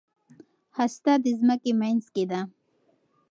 هسته د ځمکې منځ کې ده.